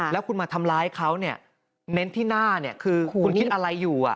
แล้วคุณมาทำร้ายเขาเนี่ยเน้นที่หน้าคือคุณคิดอะไรอยู่